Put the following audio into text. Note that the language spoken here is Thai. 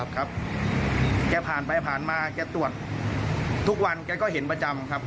แกผ่านไปผ่านมาแกตรวจทุกวันแกก็เห็นประจำครับ